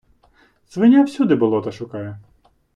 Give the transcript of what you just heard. Свиня всюди болота шукає.